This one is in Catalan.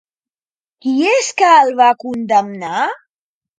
Qui és que el va condemnar?